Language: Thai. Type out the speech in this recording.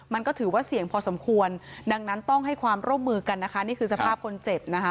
มันก็ถือว่าเสี่ยงพอสมควรดังนั้นต้องให้ความร่วมมือกันนะคะนี่คือสภาพคนเจ็บนะคะ